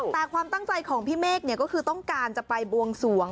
แต่ความตั้งใจของพี่เมฆก็คือต้องการจะไปบวงสวง